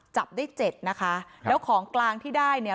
จับได้เจ็ดนะคะแล้วของกลางที่ได้เนี่ย